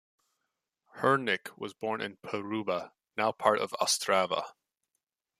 Hurnik was born in Poruba, now part of Ostrava.